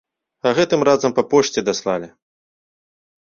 А гэтым разам па пошце даслалі!